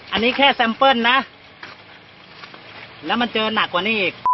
อันนี้แค่แซมเปิ้ลนะแล้วมันเจอหนักกว่านี้อีก